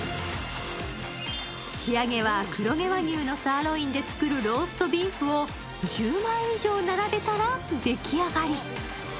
仕上げは黒毛和牛のサーロインで作るローストビーフを１０枚以上並べたらでき上がり。